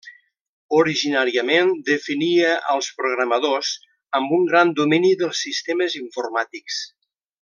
Originàriament definia als programadors amb un gran domini dels sistemes informàtics.